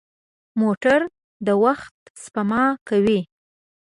موټر د وخت سپما کوي.